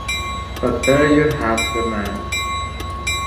But there you have the man.